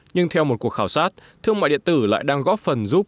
nhưng theo một cuộc khảo sát thương mại điện tử lại đang góp phần giúp